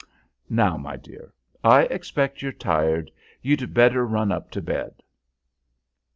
Now, my dear, I expect you're tired. You'd better run up to bed."